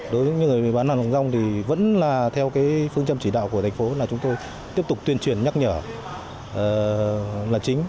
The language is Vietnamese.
đối với những người bán hàng rong thì vẫn là theo phương châm chỉ đạo của thành phố là chúng tôi tiếp tục tuyên truyền nhắc nhở là chính